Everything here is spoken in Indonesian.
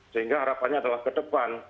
sehingga harapannya adalah ke depan